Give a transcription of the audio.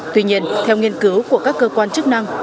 tuy nhiên theo nghiên cứu của các cơ quan chức năng